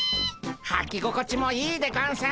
はきごこちもいいでゴンス。